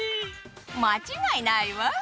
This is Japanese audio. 間違いないわ。